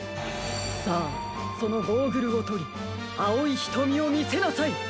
さあそのゴーグルをとりあおいひとみをみせなさい！